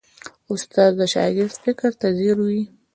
استاد د شاګرد فکر ته ځیر وي.